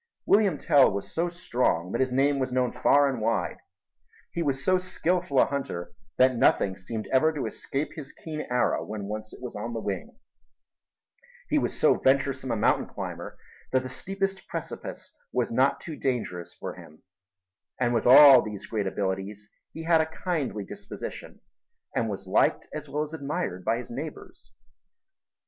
William Tell was so strong that his name was known far and wide; he was so skilful a hunter that nothing seemed ever to escape his keen arrow when once it was on the wing; he was so venturesome a mountain climber that the steepest precipice was not too dangerous for him; and with all these great abilities he had a kindly disposition and was liked as well as admired by his neighbors.